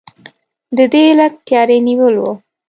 د دې علت تیاری نیول وو.